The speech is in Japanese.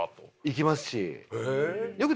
行きますしよく。